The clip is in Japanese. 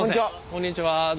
こんにちは。